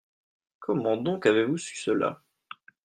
Comment donc avez-vous su cela ?